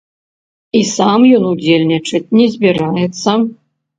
І сам ён удзельнічаць не збіраецца.